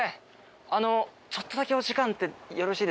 あのちょっとだけお時間ってよろしいですか？